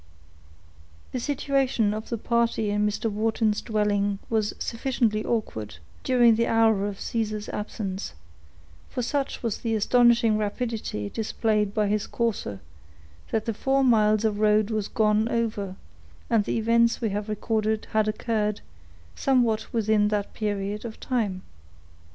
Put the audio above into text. _ The situation of the party in Mr. Wharton's dwelling was sufficiently awkward, during the hour of Caesar's absence; for such was the astonishing rapidity displayed by his courser, that the four miles of road was gone over, and the events we have recorded had occurred, somewhat within that period of time.